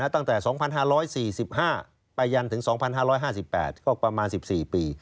ตั้งแต่๒๕๔๕ไปยันถึง๒๕๕๘ก็ประมาณ๑๔ปี